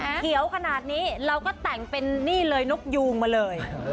เขียวขนาดนี้เราก็แต่งเป็นนี่เลยนกยูงมาเลย